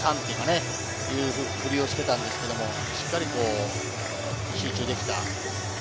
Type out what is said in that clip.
１、２の３っていうかね、振りをしてたんですけれど、しっかり集中できた。